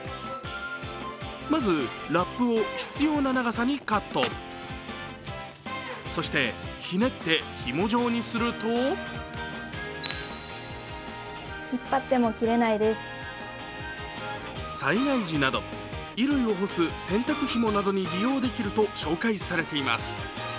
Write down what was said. まず、ラップを必要な長さにカットそして、ひねってひも状にすると災害時など衣類を干す洗濯ひもなどに利用できると紹介されています。